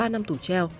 ba năm tù treo